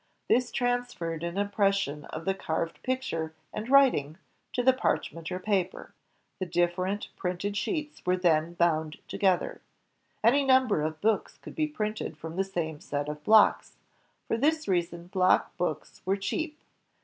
This transferred an impression of the carved picture and writing to the parchment or paper. The different printed sheets were then boimd together. Any number of books could be printed from the same set of blocks; for this reason block books were cheap.